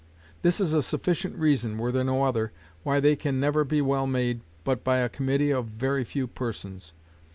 This is a sufficient reason, were there no other, why they can never be well made but by a committee of very few persons.